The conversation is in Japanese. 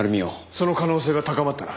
その可能性が高まったな。